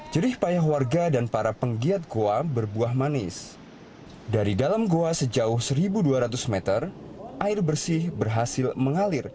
jadi payah warga dan para penggiat gua berbuah manis dari dalam gua sejauh seribu dua ratus meter air bersih berhasil